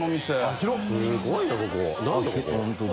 すごいなここ何だ？